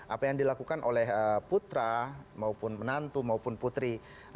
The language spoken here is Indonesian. apa yang dilakukan oleh putra maupun menantu maupun putri